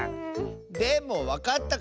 でもわかったかも！